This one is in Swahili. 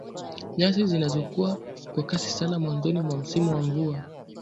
Nyasi zinazokua kwa kasi sana mwanzoni mwa msimu wa mvua